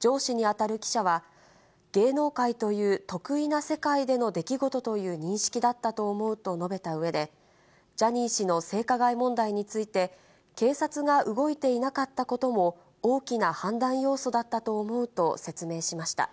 上司に当たる記者は、芸能界という特異な世界での出来事という認識だったと思うと述べたうえで、ジャニー氏の性加害問題について、警察が動いていなかったことも、大きな判断要素だったと思うと説明しました。